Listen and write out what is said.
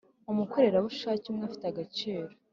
umukorerabushake umwe afite agaciro